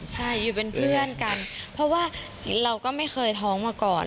ใช่อยู่เป็นเพื่อนกันเพราะว่าเราก็ไม่เคยท้องมาก่อน